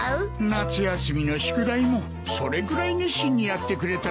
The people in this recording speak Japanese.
夏休みの宿題もそれぐらい熱心にやってくれたらいいんだが。